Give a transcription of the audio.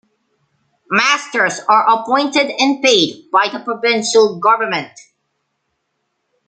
Masters are appointed and paid by the provincial government.